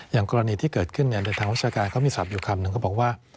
อย่างกรณีที่เกิดขึ้นในทางราชการเขามีศัพท์อยู่คำหนึ่งเขาบอกว่า